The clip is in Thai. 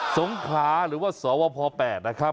สงขาหรือว่าสวพ๘นะครับ